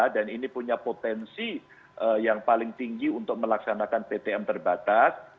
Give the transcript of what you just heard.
dan ini punya potensi yang paling tinggi untuk melaksanakan ptm terbatas